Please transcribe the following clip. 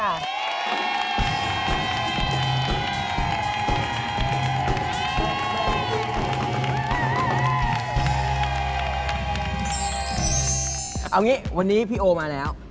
เอาอย่างนี้วันนี้พี่โอมาแล้ว